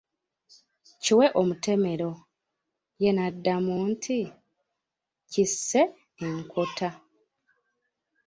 Kiwe omutemero, ye n'addamu nti, kisse enkota.